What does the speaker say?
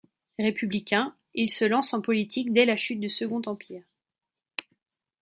Républicain, il se lance en politique dès la chute du Second Empire.